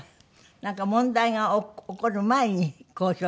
なんか問題が起こる前に公表したかったという。